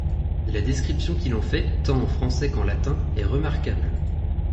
La description qu'il en fait, tant en français qu'en latin, est remarquable.